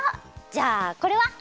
じゃあこれは？